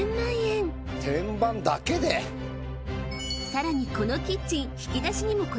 ［さらにこのキッチン］